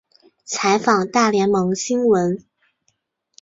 采访大联盟新闻。